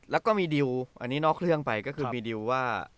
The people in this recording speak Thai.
แล้วก็มีดิวอันนี้นอกเครื่องไปก็คือมีดิวว่า